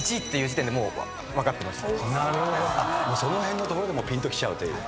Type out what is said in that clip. その辺のところでぴんときちゃうという。